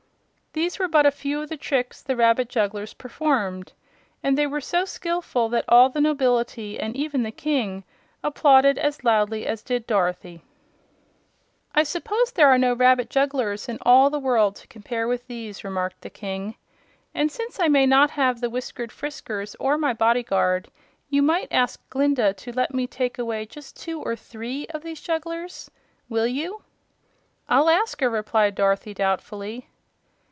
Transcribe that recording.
These were but a few of the tricks the rabbit jugglers performed, and they were so skillful that all the nobility and even the King applauded as loudly as did Dorothy. "I suppose there are no rabbit jugglers in all the world to compare with these," remarked the King. "And since I may not have the Whiskers Friskers or my Bodyguard, you might ask Glinda to let me take away just two or three of these jugglers. Will you?" "I'll ask her," replied Dorothy, doubtfully.